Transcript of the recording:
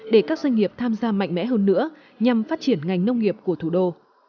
để các doanh nghiệp tham gia mạnh mẽ hơn nữa nhằm phát triển ngành nông nghiệp của thủ đô